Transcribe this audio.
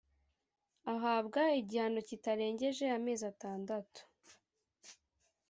Ahabwa igihano kitarengejeamazi atandatu